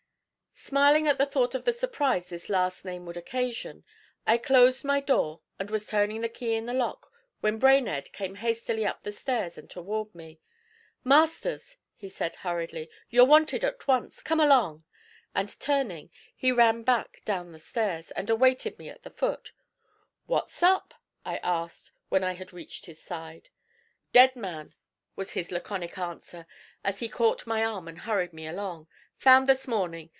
Smiling at the thought of the surprise this last name would occasion, I closed my door and was turning the key in the lock when Brainerd came hastily up the stairs and toward me. 'Masters,' he said hurriedly, 'you're wanted at once. Come along!' And turning, he ran back down the stairs, and awaited me at the foot. 'What's up?' I asked, when I had reached his side. 'Dead man,' was his laconic answer as he caught my arm and hurried me along. 'Found this morning.